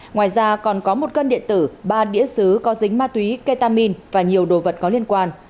ngoài ra còn có một cân điện tử ba đĩa xứ có dính ma túy ketamin và nhiều đồ vật có liên quan